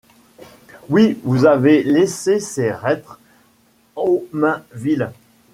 Oui, vous avez laissé ces reîtres aux mains viles